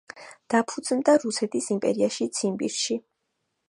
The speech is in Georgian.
დაფუძნდა რუსეთის იმპერიაში, ციმბირში.